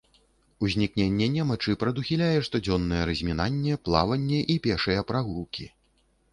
Узнікненне немачы прадухіляе штодзённае размінанне, плаванне і пешыя прагулкі.